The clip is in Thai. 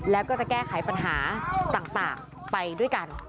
แล้วก็จะแก้ไขปัญหาต่างไปด้วยกัน